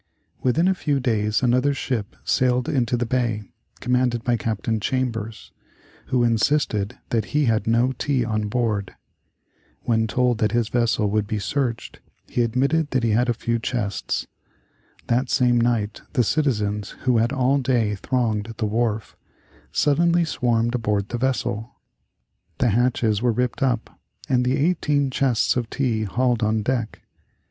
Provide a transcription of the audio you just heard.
Within a few days another ship sailed into the bay, commanded by Captain Chambers, who insisted that he had no tea on board. When told that his vessel would be searched, he admitted that he had a few chests. That same night the citizens who had all day thronged the wharf, suddenly swarmed aboard the vessel. The hatches were ripped up, and the eighteen chests of tea hauled on deck.